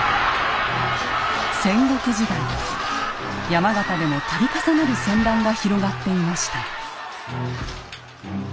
山形でも度重なる戦乱が広がっていました。